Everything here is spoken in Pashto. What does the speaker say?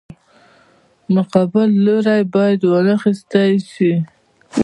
مقابل لوری باید وانخیستی شي.